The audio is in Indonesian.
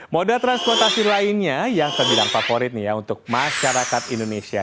moda transportasi lainnya yang terbilang favorit untuk masyarakat indonesia